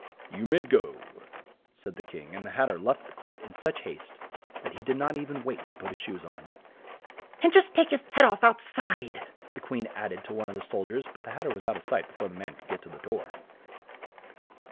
"You may go," said the King, and the Hat ter left the court in such haste that he did not e ven wait to put his shoes on. "And just take his head off out side," the Queen add ed to one of the sol diers, but the Hat ter was out of sight be fore the man could get to the door.